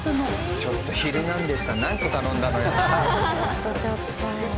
ちょっと『ヒルナンデス！』さん何個頼んだのよ？